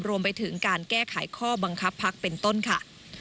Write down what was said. รวมไปถึงการแก้ไขข้อบังคับพักเป็นต้นค่ะ